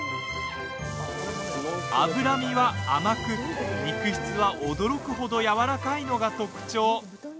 脂身は甘く、肉質は驚く程やわらかいのが特徴。